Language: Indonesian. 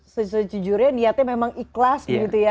sejujurnya liatnya memang ikhlas gitu ya